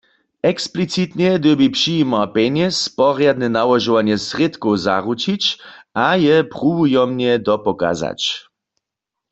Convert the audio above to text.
Eksplicitnje dyrbi přijimar pjenjez porjadne nałožowanje srědkow zaručić a je pruwujomnje dopokazać.